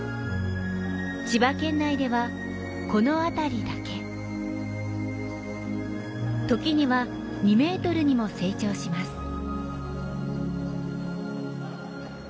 千葉県内では、このあたりだけときには２ｍにも成長します。